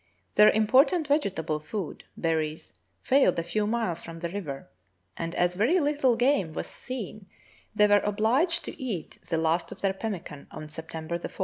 Their important vegetable food, berries, failed a few miles from the river, and as very little game was seen the}'^ were obliged to eat the last of their pemmican on September 4.